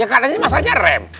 ya katanya masalahnya rem